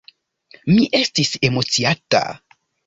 Mi estis emociata.